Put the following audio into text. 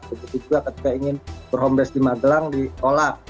begitu juga ketika ingin berhome base di magelang ditolak